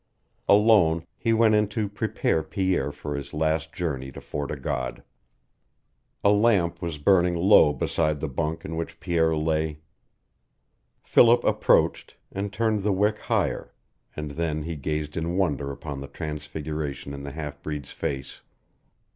Alone he went in to prepare Pierre for his last journey to Fort o' God. A lamp was burning low beside the bunk in which Pierre lay. Philip approached and turned the wick higher, and then he gazed in wonder upon the transfiguration in the half breed's face.